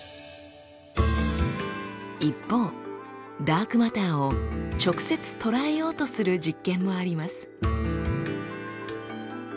一方ダークマターを直接とらえようとする実験もあります。